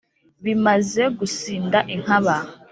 bimaze gusinda inkaba